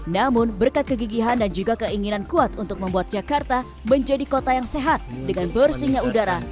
namun berkat kegigihan dan juga keinginan kuat untuk membuat jakarta menjadi kota yang sehat dengan bersihnya udara